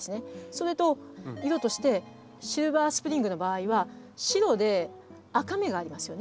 それと色としてシルバースプリングの場合は白で赤目がありますよね。